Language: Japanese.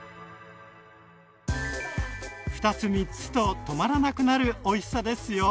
２つ３つと止まらなくなるおいしさですよ。